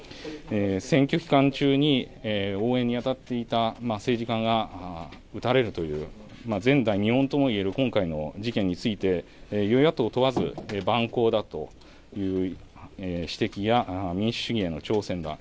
選挙期間中に応援に当たっていた政治家が撃たれるという前代未聞ともいえる今回の事件について与野党問わず蛮行だという指摘や、民主主義への挑戦だ。